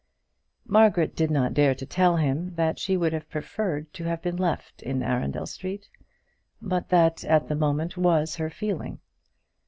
Margaret did not dare to tell him that she would have preferred to have been left in Arundel Street; but that, at the moment, was her feeling.